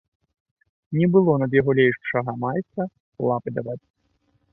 Не было над яго лепшага майстра лапы даваць.